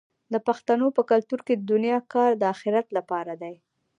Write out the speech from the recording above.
د پښتنو په کلتور کې د دنیا کار د اخرت لپاره دی.